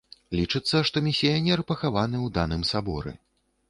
Лічыцца, што місіянер пахаваны ў даным саборы.